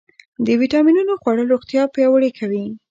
د ویټامینونو خوړل روغتیا پیاوړې کوي.